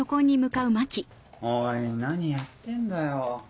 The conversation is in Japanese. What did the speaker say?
おい何やってんだよ？